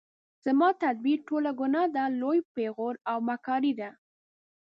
زما تدبیر ټوله ګناه ده لوی پیغور او مکاري ده